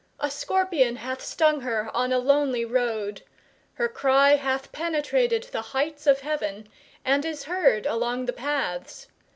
A scorpion hath stung her on a lonely road. Her cry hath penetrated the heights of heaven, and is heard along the paths.